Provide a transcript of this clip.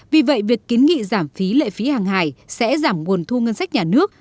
vì vậy việc kiến nghị giảm phí lệ phí hàng hải sẽ giảm nguồn thu ngân sách nhà nước